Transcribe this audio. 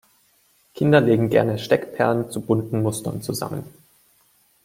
Kinder legen gerne Steckperlen zu bunten Mustern zusammen.